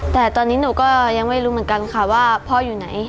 แต่ตอนนี้หนูก็ยังไม่รู้เหมือนกันค่ะว่าพ่ออยู่ไหน